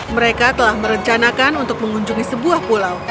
mereka telah merencanakan untuk mengunjungi sebuah pulau